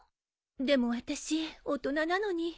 でも私大人なのに。